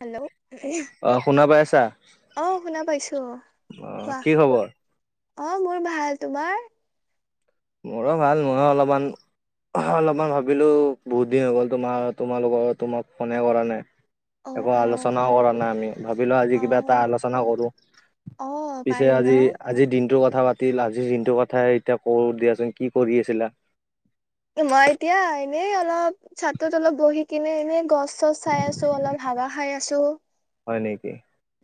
Hello আহ শুনা পাইছা আহ, শুনা পাইছো অ কোৱা কি খবৰ অ', মোৰ ভাল তোমাৰ? মোৰো ভাল মইো অলপমান অলপমান ভাবিলো বহুত দিন হৈ গ'ল তোমাৰ তোমালোকৰ তোমাক ফোনে কৰা নাই অ একো অ আলোচনাও কৰা নাই আমি, ভাবিলোঁ আজি অ কিবা এটা আলোচনা কৰোঁ। অ পিছে পাৰি ন আজি আজিৰ দিনটোৰ কথা কথা পাতিল, আজি দিনটো কথাই এতিয়া কওঁ দিয়াচোন, কি কৰি আছিলা? মই এতিয়া এনেই অলপ চাতত অলপ বহি কিনে এনেই গছ চব চাই আছোঁ, অলপ হাবা খাই আছোঁ। হয় নেকি?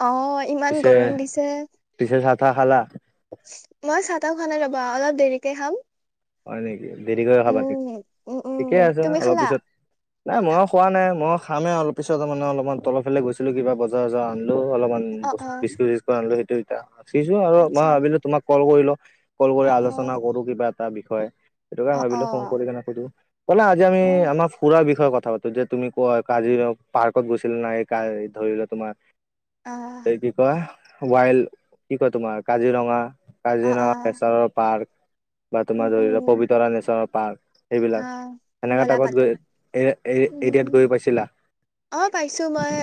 অ' ইমান পিছে গৰম দিছে, পিছে চাহ তাহ খালা মই পতাও খোৱা নাই ৰ'বা অলপ দেৰিকে খাম। হয় নেকি? দেৰি কৰি খাবা নেকি উম উম উম ঠিকে আছে তুমি অলপ খালা পিছত নাই ময়ো খোৱা নাই ময়ো খামে অলপপিছত মানে অলপমান তলফালে গৈছিলো কিবা বজাৰ চজাৰ আ হ'লেও অলপমান অ অ বস্তু চ আনিলোঁ সেইটো এ আছোঁ আৰু মই আচ্ছা ভাবিলোঁ তোমাক কল কৰিল লও। কল কৰি অ অ আলোচনা কৰো কিবা এটা বিষয় সেইটোকে অ অ ভাবিলোঁ ফোন কৰি কেনে সুধো বলা আজি আমি অ আমাৰ ফুৰা বি বিষয়ে কথা পাতো যে তুমি ক কাজিৰ পাৰ্কত গৈছিলা নাই ধৰি লোৱা আহ তোমাৰ কি কয় ৱাইল কি কয় তোমাৰ কাজিৰঙা অ কাজিৰঙা অ নেচাৰেল পাৰ্ক বা উম তোমাৰ ধৰি উম লোৱা পবিত্ৰতা নেশ্যনেল পাৰ্ক সেইবিলাক আহ সেনেকা বলা টাইপত পাতো গৈ এ উম এতিয়াত গৈ পাইছিলা অ পাইছো মই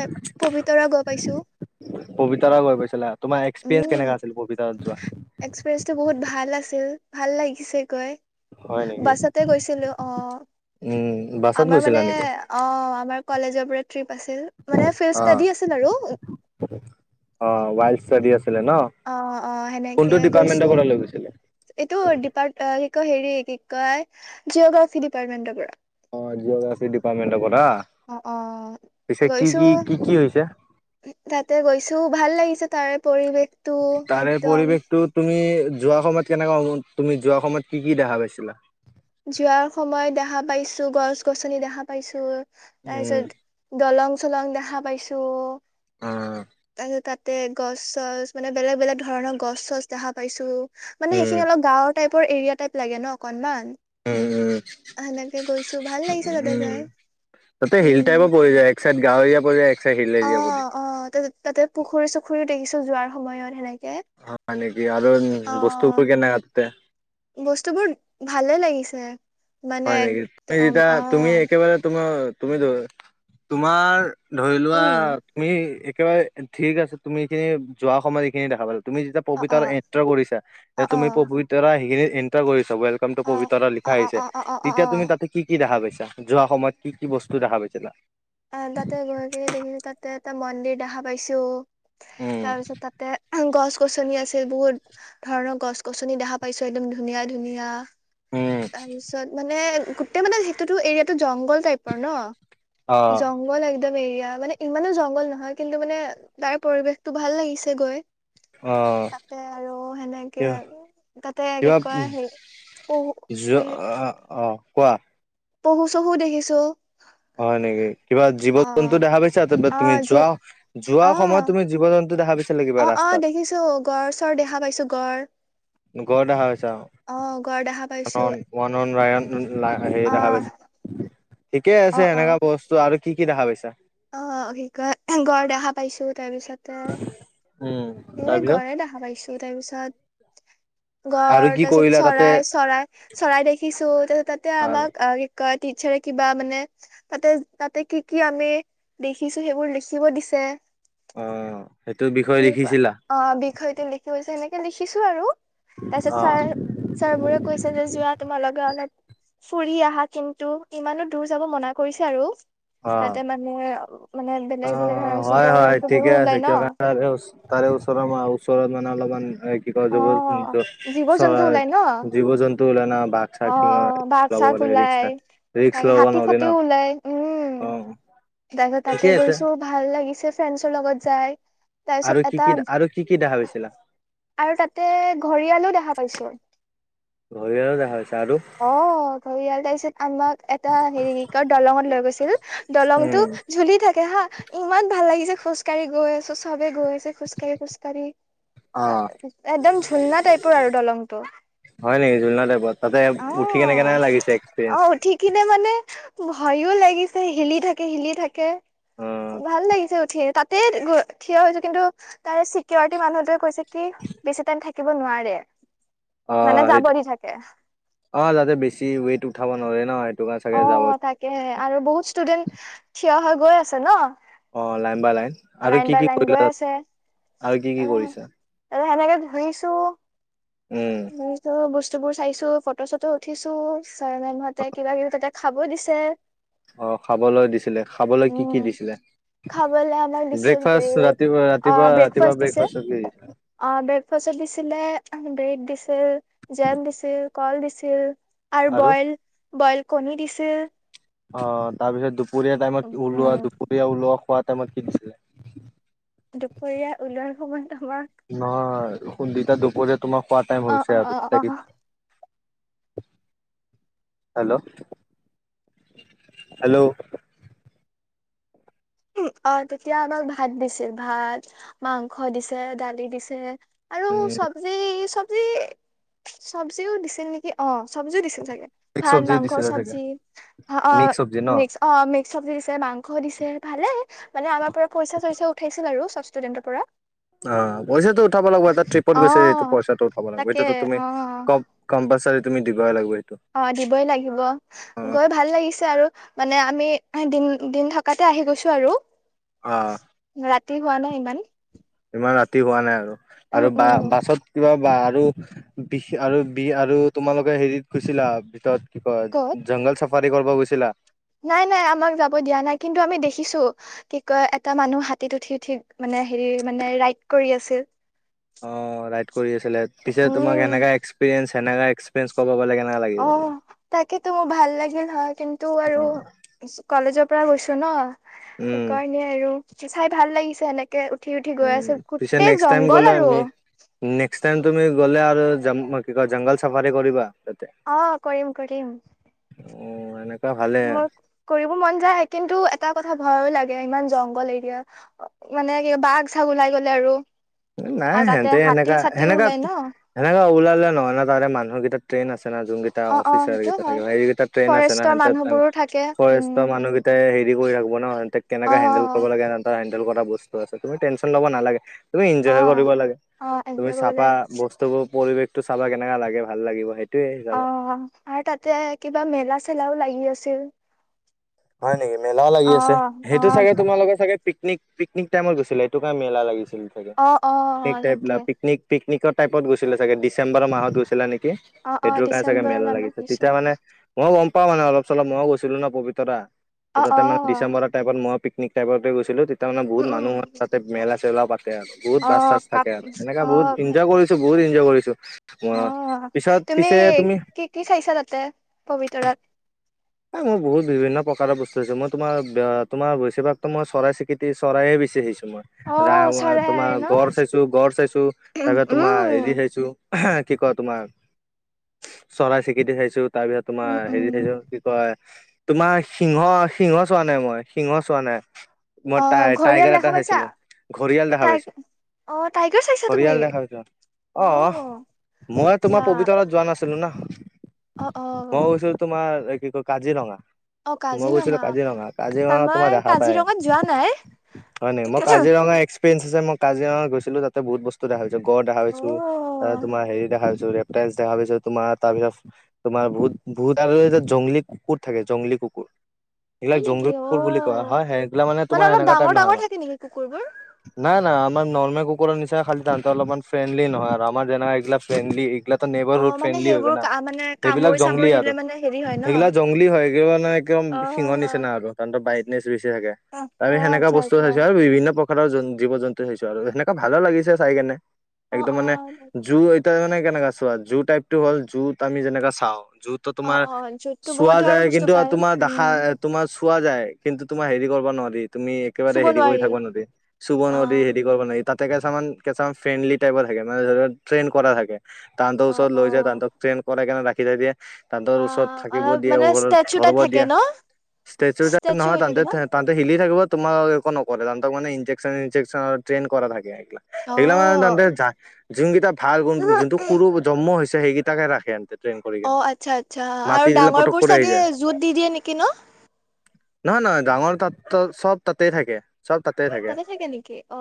পবিতৰা গৈ পাইছো পবিতাৰ গৈ পাইছিলা উম তোমাৰ এক্সপিৰিয়েঞ্চ কেনেকা আছিল এক্সপিৰিয়েঞ্চটো পবিতাৰ বহুত ভাল যোৱা আছিল ভাল লাগিছে গৈ হয় নেকি বাছতে গৈছিলো অ উম বাছত আমাৰ গৈছিলা মানে নেকি? অ আমাৰ কলেজৰ পৰা টিৰিপ আছিল মানে ফিল অ ইচটাদী আছিল আৰু অ ৱাইল্ড ষ্টাডি আছ অ অ সেনেকে ডিপাৰ্টমেন্টৰ গৈছো পৰা লৈ গৈছিলে? এইটো ডিপাৰ্ট হেৰি এক এক জিঅগ্ৰাফি ডিপ্টমেন্টৰ পৰা অ জিঅ'গ্ৰাফিক ডিপাৰ্টেণ্ট পৰা অ অ পিছে কি গৈছো কি কি কি হৈছে? তাতে গৈছো ভাল লাগিছে তাৰে পৰিৱেশ তাৰে পৰিৱেশটো তুমি যোৱাৰ সময়ত কেনেকা তুমি যোৱাৰ সময়ত কি কি দেখা পাইছিলা যোৱাৰ সময়ত দেখা পাইছো গছ গছনি দেখা পাইছো তাৰ উম পিছত দলং চলং দেখা পাইছো অ', তাৰপিছত তাত গছ চছ মানে বেলেগ বেলেগ ধৰণৰ গছ চছ দেখা পাইছো মানে উম সেইখিনি অলপ গাঁৱৰ টাইপ পৰ এৰিয়া টাইপ লাগে ন অকণমান উম ভাল লাগিছে উম তাতে উম যাই তাতে হিল টাইপো উম পৰি যায় এক চাইদ গৱীয়া পৰি যায় এক চাইড হিল অ এৰিয়া পৰি যায়। অ তা তাতে পুখুৰী চুখুৰীও দেখিছো যোৱাৰ সময়ত সেনেকে হয় নেকি আৰু বস্তুবোৰ কেনেুৱা ততে বস্তু বোৰ ভালে লাগিছে মানে হয় নেকি তুমি একদম যেতিয়া অ তুমি একেবাৰে তুমাৰ তুমি তোমাৰ ধৰি লোৱা উম তুমি একেবাৰে ঠিক আছে তুমি খিনি যোৱা সময় গোটেইখিনি দেখা পালোঁ তুমি যেতিয়া অ অ পবিতৰা এণ্টাৰ কৰিছা অ যেতিয়া তুমি অ পবিতৰা সেইখিনি এণ্টাৰ কৰিছা ৱেলকাম টো অ পবিত্ৰ অ লিখা অ হৈছে অ অ অ অ তেতিয়া অ তুমি তাতে কি কি দেখা পাইছা যোৱা সময়ত কি কি বস্তু দেখা পাইছে তা অ তাতে গৈ কিনি দেখিছো তাতে এটা মন্দিৰ দেখা পাইছো উম তাৰ পিছত তাতে গছ গছনি আছে বহুত ধৰণৰ গছ গছনি দেখা পাইছো একদম ধুনীয়া ধুনীয়া উম তাৰপিছত মানে গোটেই মানে সেইটোতো এৰিয়াতো জংল টাইপৰ ন অ জংল এক একদম এৰিয়া মানে ইমানো জংঘল নহয় কিন্তু মানে তাৰ পৰিৱেশতটো ভাল লাগিছে গৈ অ তাতে আৰু সেনেকে কিবা তাতে কি কিবা কয় হেৰি পহু যোৱা এ আহ আহ কোৱা পহু চহু দেখিছো হয় নেকি কিবা জীৱ অ জন্তু দেখা পাইছা ত অ তুমি যি যোৱা যোৱা সময়ত অ তুমি জীৱ জন্ত অ অ দেখিছো গড় চৰ দেখা পাইছো গড় গড় দেখা পাইছা? অ দেখা পাইছো ওৱান, ওৱান অ [unintelligible] দেখা পাইছ ঠিকে অ আছে অ এনেকা বস্তু আৰু কি কি দেখা পাইছা অ', কি কয় গড় দেখা পাইছোঁ, তাৰপিছতে উম এ তাৰপিছত গড় দেখা পাইছো তাৰপিছত আৰু গড় কি তাৰপিছত কৰিলা তাতে চৰাই চৰাই চৰাই দেখিছো তাৰপিছত তাতে আৰু আমাক অ কি কয় টিচাৰে কিবা মানে তাতে তাতে কি কি আমি দেখিছো সেইবোৰ লিখিব দিছে। অ সেইটো বিষয়ে সেনেকুৱা লিখিছিল অ বিষয়টো লিখি গৈছে সেনেকে লিখিছো আৰু। তাছত অ ছাৰ ছাৰবোৰে কৈছে যে যোৱা তোমালগে অলপ ফুৰি আহা কিন্তু ইমানো দূৰ যাব মনা কৰিছে আৰু। তাতে মানে মানে বে অ অ হয় হয় ঠিকে আছে কিয় কাৰণে তাৰে তাৰে ওচৰত ওচৰত মানে অলপমান এই কি কয় অ [unintelligible] জীৱ জন্তু চৰাই, ওলাই ন জীৱ, জন্তু ওলাই না বাঘ অ বাঘ চাগ [unintelligible] ওলাই ৰিক্স তাকে ল'ব হাতী নোৱাৰি ন' অ'। তাই ঠিকে তাতে আছে গৈছো ভাল লাগিছে ফ্ৰেণ্ডছৰ লগত যাই। তাৰপিছত আৰু কি এটা কি আৰু কি কি দেখা পাইছিলা? আৰু তাতে ঘৰিয়ালো দেখা পাইছো। ঘৰিয়ালো দেখা পাইছা আৰু অ ঘৰিয়াল তাছত আমাক এটা হেৰি কৰ দলঙত লৈ গৈছিল উম দলংতটো জুলি থাকে হা। ইমান ভাল লাগিছে খোজকাঢ়ি গৈ আছো চবে গৈ আছে খোজ কাঢ়ি খোজ কাঢ়ি। অ একদম ঝুলনা টাইপৰ আৰু দলংটো। হয় নেকি জুলনা টাইপত তাতে অ উঠি কেনে কেনে লাগিছে অ এক্সপিৰিয়েঞ্চ উঠিকিনে মানে ভয়ো লাগিছে হিলি থাকে হিলি থাকে অ ভাল লাগিছে উঠিয়ে তাত তেত থিয় হৈছো কিন্তু তাৰে চিকিউৰিটি মানুহটোৱে কৈছে কি বেছি টাইম থাক কিব নোৱাৰে অ মানে যাব সেইটো দি থাকে। অ যাতে বেছি ৱেইট উঠাব নোৱাৰে ন কাৰণে অ চাগে যাব তাকে আৰু বহুত ষ্টুডেণ্ট থিয় হৈ গৈ আছে ন। অ লাইন বাই লাইন আৰু লাইন কি বাই কি লাইন গৈ কৰিলা আছে আৰু কি কি কৰিছা? ত সেনেকে ধুইছো উম মো বস্তু বোৰ চাইছো ফটো চটো উঠিছো ছাৰ মানুহতে কিবা কিবি তাতে খাব দিছে। অ খাবলৈ দিছিলে, খাবলৈ কি কি উম দিছিলে? খাবলে আমাক দিছিল ব্ৰেকফাষ্ট ব্ৰেড ৰাতিপুৱা অ ৰাতিপুৱা ৰাতিপুৱা ব্ৰেকফাষ্ট দিছে ব্ৰেকফাষ্ট অ ব্ৰেকফাষ্টত দিছিলে ব্ৰেদ দি ছিল, জেম দিছিল, কল দিছিল আৰু বইল বইল কণী দিছিল। অ', তাৰপিছত দুপৰীয়া টাইমত ওলোৱা, উম দুপৰীয়া ওলোৱা খোৱা টাইমত কি দিছিলা? দুপৰীয়া ওলোৱাৰ সময়ত আমাক নহয় সুন্দিটা দুপৰীয়া তোমাৰ খোৱা টাইম অ হৈছে অ আৰু অ অ হেল্ল'। হেল্ল'। অ তেতিয়া আমাক ভাত দিছিল ভাত, মাংস দিছে, দালি দিছে আৰু উম চব্জি চবজি চবজিও দিছিল নেকি অ চব্জিও দিছিল মিক্স ভাল চব্জি মাংস দিছিলে চাগে চব্জি অ মিক্স চব্জি ন মিক্স অ মিক্স চব্জি দিছে মাংস দিছে ভালে মানে আমাৰ পৰা পইচা চইচা উঠাইছিল আৰু চব ষ্টুডেণ্টৰ পৰা অ পইচাটো উঠাব লাগিব এটা ট্ৰিপত অ গৈছে সটো পইচাটো উঠাব লাগিব তাকে এইটো তুমি অ কম্প কম্পালছৰি তুমি দিব লাগিবে অ দিবই লাগিব গৈ ভাল লাগিছে আৰু মানে আমি দিন দিন থকাতে আহি গৈছো আৰু আহ তে হোৱা নাই ইমান ইমান ৰাতি হোৱা নাই আৰু উম আৰু বা উম বাছত কিবা বা আৰু বিষ আৰু বি আৰু তোমালোকে হেৰিত গুছিলা ভিতৰত কি ক'ত কয় জংঘল চাফাৰী কৰিব গৈছিলা? নাই নাই আমাক যাব দিয়া নাই কিন্তু আমি দেখিছো কি কয় এটা মানুহ হাতীত উঠি উঠি মানে হেৰি মানে ৰাইদ কৰি আচিল অ ৰাইড কৰি আছিলে পিছে তোমাক উম সেনেকা এক্সপিৰিয়েঞ্চ সেনে এক্সপিৰিয়েঞ্চ কবাব লাগে অ তাকেতো মোৰ ভাল লাগিল হয় কিন্তু আৰু অ কলেজৰ পৰা গৈছো ন উম সেইকাৰণেই আৰু চাই ভাল লাগিছে এেনেকে উঠি উঠি গৈ উম আছে পিছে গোটেই নেক্সট টাইম জংঘল গ'লে আৰু আমি নেক্সট টাইম তুমি গ'লে আৰু কি কয় জংঘল চাফাৰী কৰিবা তাতে অ কৰিম কৰিম অ এনে মোৰ কৰিব মন যায় কিন্তু এটা কথা ভয় লাগে ইমান জংঘল এৰিয়া মানে কি বাঘ চাগ ওলাই গ'লে আৰু নাই আৰু তাতে সেতে হাতী সেনেকা চাতিও সেনেকা ওলাই ন সেনেকা ওলালে নহয় ন তাৰে মানুহৰ কেইটা ট্ৰেইন আছে। যুনকেইটা অ অ অফিচাৰ সেইটো সেইকিতা হয় থাকে সেইকেইটা ট্ৰেইন আছে না ফৰেষ্টৰ মানুহবোৰো থাকে উম ফৰেষ্টৰ মানুহকেইটাই হ কৰি ৰাখিব ন অ কেনেকে হেন্দেল কৰিব লাগে হেণ্ডেল কৰা বস্তু আছে তুমি টেনচন ল'ব নালাগে তুমি অ এনজয় কৰিব লাগে অ তুমি এনজয় কৰিব চাফা লাগে বস্তুবোৰ পৰিৱেশত চাবা কেনেকা লাগে ভাল লাগিব সেইটো অ আৰু তাতে কিবা মেলা চেলাও লাগি আছিল হয় নেকি মেলাও লাগি অ আছে অ সেইটো চাগে তোমাৰ লোকে চাগে পিকনিক পিকনিক টাইমত গৈছিলে এইটোকে মেলা লাগিছিল চাগে অ অ অ পিকনিক টাইপ তাকে পিকনিক পিকনিক টাইপত গৈছিলে ছাগে দিচেম্বৰ মাহ গৈছিলা নেকি অ অ সেইটোৰ কাৰণে চাগে ডিচেম্বৰ মেল মানত লাগিছে গৈছো তেতিয়া মানে মই গম পা মানে অলপ চলপ মইও গৈছিলো ন পবিতৰা অ তাতে অ মানে দিছেম্বৰ টাইমত মই [unintelligible] গৈছিলো তাৰমানে বহু উম উম মানুহ হয় তাতে মেলা চেলা পাতে আৰু বহুত অ বাছ চাছ কাপ থাকে আৰু এনেকা অ বহুত ইনজ কৰিছো বহুতন কৰিছো অ পিছত তুমি পিছে কি কি চাইছা তাতে পবিতৰাত এই মোৰ বহুত বিভিন্ন প্ৰকাৰৰ বস্তু আছে মই তোমাৰ তোমাৰ বেছিভাগ টো মই চৰাই চীকৃতি চৰাইয়ে বেচি অ চাইছোঁ চৰাই তোমাৰ ন গড় চাইছো গড় চাইছো উম তাৰপ তোমাৰ হেৰি চাইছো কি কই তোমাৰ চৰাই চিকিতি চাইছো তাৰপিছত উম তোমাৰ হেৰি উম চাইছো কয় তোমাৰ সিংহ সিংহ চোৱা নাই মই সিংহ চোৱা নাই অ মই ঘৰিয়াল টাইগাৰ দেখা এটা পাইছা চাইছিলো ঘৰিয়াল দেখা টাই পাইছো অ টাইগাৰ চাইছা তুমি অহ, অ', মই আচ্ছা তোমাৰ পবিতৰা যোৱা নাছিলো ন। অ', মই অ', কৈছিলো তোমাৰ কি কয় কাজিৰঙা অ', মই গৈছিলো কাজিৰঙা। কাজিৰঙা কাজিৰঙা তোমাৰ মই দেখা পায় কাজিৰঙাত যোৱা নাই। হয় নি, মই কাজিৰঙা এক্সপিৰিয়েন্ঞ্চ আছে ম কাজিৰঙা গৈচিলো তাতে বহুত বস্তু দেখাইচো গড় দেখা পাইছো অ', তোমাৰ হেৰি দেখা পাইছ ৰেপতাইল দেখা পাইছো তোমাৰ তাৰপিছত তোমাৰ বহুত বুত আৰু এ জংলী কুকুৰ থাকে জংলী কুকুৰ এইগিলাক হয় নেকি জংগলপুৰ বুলি কোৱা অ'। হয় হয় এইিলা মানে তোমাৰ অলপ এনেকুৱা টাইপ ডাঙৰ নহয় ডাঙৰ মান থাকে নেকি কুকুৰবোৰ? নাই নাই নৰ্মেল কুুকুৰৰ নিচা খালি তাহতে অলপমান ফ্ৰেণ্ডলি নয়হ আৰু, আমাৰ যেনেকা এগলা ফ্ৰেণ্ডলি এগলা নেবাৰহুড অ', মানে ফ্ৰেণ্ডলি হয় সেইবোৰ গৈ না, মানে সেইবিলাক কামুৰি জংলী চামুৰি দিলে আৰু। মানে হেৰি হয় ন? সেইগিলা জংলী হয় সেইিলা মানে একদম সিংহৰ নিচিনা অ', আ তৰ বাইত থাকে ত আমি অ', সেনেকা আচ্ছা বস্তু আচ্ছা চাইছো আৰু বিভিন্ন জীৱ জন্তু চাইছো আৰু। সেনেকুৱা ভালো লাগিছে চাই কেনে। অ', একদম মানে অ'। জু এতা মানে কেনেকা চোৱা জু টাইপটো হ'ল জুৰত আমি যেনেকা চাওঁ, জুৰতো অ', তোমাৰ অ', য'ততো বহুত চোৱা ধৰণৰ যায় বস্তু কিন্তু পায় তোমাৰ দেখা উম, তোমাৰ চোৱা যায় কিন্তু তোমাৰ হেৰি কৰিব নোৱাৰি তুমি একেবাৰে চুব হেৰি কৰি নোৱাৰি। থাকা নেদিয়ে চুব অ', নেদিয়ে হেৰি কৰিব নি তাতে কেছামান কেছামান ফ্ৰেণ্ডলি টাইপৰ থাকে মানে ধৰা ট্ৰেইন কৰা থাকে। তাহঁতৰ অ', ওচৰত লৈ যায় অ', তাঁহতক ট্ৰেইন কৰাই কেনে ৰাখি থই দিয়ে। তাহাঁতৰ ওচৰত অ', থাকে থাকিব অলপ দিয়ে মানে ওৰত ষ্টেচু টাইপ ধব থাকে দিয়া ন? ষ্টেচুাই ষ্টেচু নহয় হৈ থাকে ততে ন? ততে হিলি থাকিব তোমাৰ এক নকৰে তাহঁতক মানে ইনজেকশ্যন ইনজেকশ্যন ট্ৰেইন কৰা থাকে। সেইগিলা, সেইগিলা মানে যোনকেইটা অ'। যা যোনটোকেটা ভাল বন্ধু যোনটো সৰু জন্ম হৈছে। তোৰ সেইকেইটাক ৰাখে সিহঁতে ট্ৰেইন কৰি অ' কেনে আচ্ছা, আচ্ছা মাতি আৰু দিলে পটক ডাঙৰবোৰ কৰি আহি চাগে যায় জোৰত দি দিয়ে নেকি ন? নহয়, নহয় ডাঙৰ তাত চ'ব তাতেই থাকে। চ'ব তাতেই থাকে।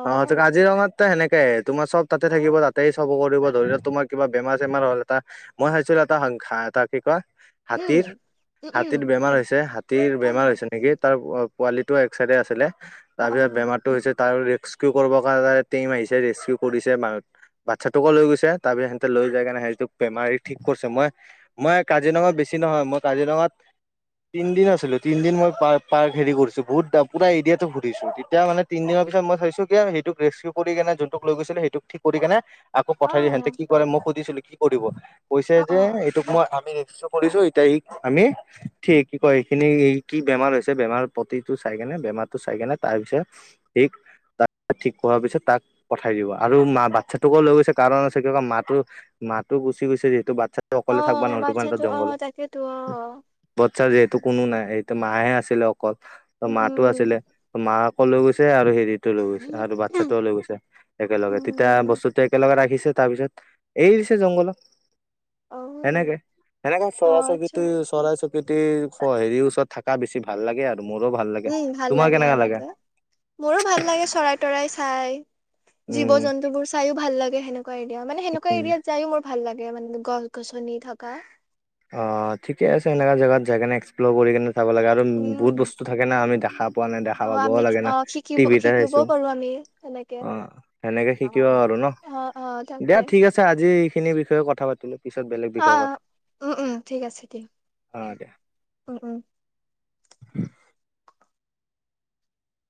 অ' তোৰ কাজিৰঙাতো সেনেকাই তোমাৰ চ'ব তাতে থাকিব। তাতে চাব কৰিব ধৰিলোৱা তোমাৰ কিবা বেমাৰ চেমাৰ হ'ল এটা মই ভাবিছিলোঁ এটা সাং হাঁহ এটা কি কয়? উম হাতীৰ উম হাতীৰ বেমাৰ হৈছে হাতীৰ উম বেমাৰ হৈছে নেকি তাৰ পোৱালি টো এক চাইডে আছিলে অ অ তাৰপিছত বেমাৰতটো হৈছে তাৰ ৰেছকিউ কৰিব কাৰণে টিম আহিছে। ৰেছকিউ কৰিছে মা বাচ্ছাটোকো লৈ গৈছে। তাৰপিছত সিহঁতে লৈ যাই কেনে সেৰিটোক বেমাৰী ঠিক কৰিছে। মই মই কাজিৰঙা বেছি চিনি নাপাওঁ, মই কাজিৰঙাত তিনদিন আছিলোঁ। তিনদিন মই পাৰ্ক পাৰ্ক হেৰি কৰিছোঁ বহুত পুৰা এৰিয়াটো ঘুৰিছোঁ। তেতিয়া মানে তিনদিনত তাৰপিছত মই চাইছোঁ কি সেইটোক ৰেছকিউ কৰি কেনে যোনটোক লৈ গৈছিল সেইটোক ঠিক কৰি কেনে আকৌ অ পঠাই দিয়ে হেনতে কি কৰে মই সুধিছিলো কি কৰিব কৈছে অ অ যে এইটোক মই আমি ৰেস্কিউ কৰিছো এতিয়া সি আমি কি কয় সেইখিনি কি বেমাৰ হৈছে বেমাৰ প্ৰতিটো চাই কেনে মাতো চাই কিনে তাৰ পিছত ঠিক ঠিক কৰাৰ পিছত তাক পঠাই দিব আৰু মা বাচ্ছাটোকো লৈ গৈছে কাৰণ আছে ক মা টো তাতো গুচি গৈছে যিহেতু বাচ্ছাটো অ অ অকলে থাকবা বাচ্ছাটো নোৱাৰিব অ জংঘলত তাকেতো অ বচ্ছাৰ যিহেতু কোনো নাই মাহে আছিলে অকল উম মা তোৰ আছিলে মাক আকৌ লৈ গৈছে আৰু হেৰিত লৈ গৈছে উম আৰু বাচ্ছা ও লৈ গৈছে একেলগে তেতিয়া উম বস্তুটো একেলগে ৰাখিছে তাৰপিছত এৰি দিছে জংঘলত। অহু অ এনেকে অ চৰাই আচ্ছা চকিটি, চৰাই চকিটি হেৰি ওচৰত থাকা বেছি ভাল লাগে আৰ উম ভাল লাগে এনেকে মোৰো ভাল লাগে চৰাই তৰাই চাই। উম জীৱ-জন্তুবোৰ চাইয়ো ভাল লাগে সেনেকুৱা এৰিয়া মানে সেনেকুৱা উম এৰিয়াত যায়ও মোৰ ভাল লাগ গে মানে গছ-গছনি থকা। অ ঠিকে আছে এনেকা জেগাত যাই কেনে এক্সপ্লৰ কৰি কেনে চাব লাগে আৰু উম বহুত বস্তু থাকে না আমি দেখা পোৱা নাই দেখা অ পাবও আমি লাগে না অ শিকিব টিভিতে চাইছো শিকিবও পাৰো আমি সেনেকে অ সেনেকে অ শিকো আৰু ন অ অ দিয়া তাকে ঠিক আছে আজি এইখিনি বিষয়ে কথা পাতিলো পিছত বেলেগ অ অ বিষয়ে কথা উম উম ঠিক আছে দিয়ক উ